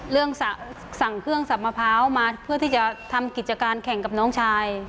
สั่งเครื่องสับมะพร้าวมาเพื่อที่จะทำกิจการแข่งกับน้องชาย